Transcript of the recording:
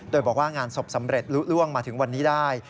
โดยบอกว่างานศพสำเร็จลุล่วงมาถึงวันนี้ได้